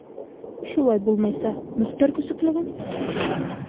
Шулай булмайса, Мөхтәр көсөкләгән!